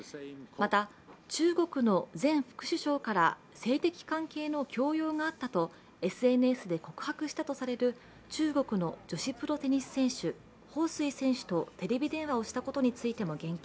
また、中国の前副首相から性的関係の強要があったとＳＮＳで告白したとされる中国の女子プロテニス選手彭帥選手とテレビ電話をしたことについても言及。